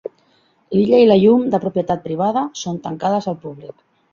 L'illa i la llum de propietat privada són tancades al públic.